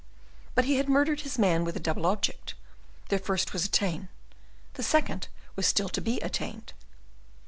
But he had murdered his man with a double object; the first was attained, the second was still to be attained.